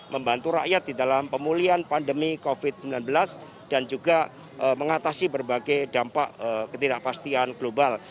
membantu rakyat di dalam pemulihan pandemi covid sembilan belas dan juga mengatasi berbagai dampak ketidakpastian global